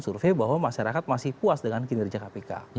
survei bahwa masyarakat masih puas dengan kinerja kpk